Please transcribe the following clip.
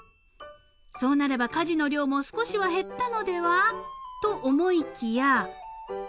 ［そうなれば家事の量も少しは減ったのではと思いきや］